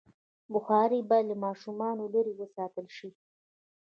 بخاري باید له ماشومانو لرې وساتل شي.